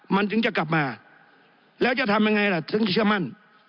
มันถึงจะกลับมาแล้วจะทำยังไงล่ะถึงจะเชื่อมั่น